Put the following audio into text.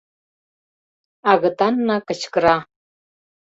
«Агытанна кычкыра;